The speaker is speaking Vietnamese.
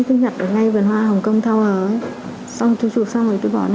tôi nhặt ở ngay vườn hoa hồng kông thao hờ xong tôi chụp xong rồi tôi bỏ đi